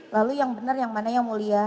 lalu yang benar yang mana yang mulia